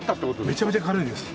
めちゃめちゃ軽いです。